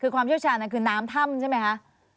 ความเชี่ยวชาญนั้นคือน้ำท่ามใช่ไหมคะ